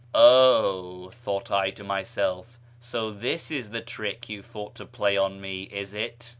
Oh," thought I to myself, " so this is the trick you thought to play on me, is it